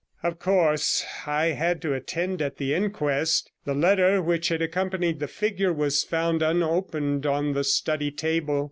Of course, I had to attend at the inquest. The letter which had accompanied the figure was found unopened on the study table.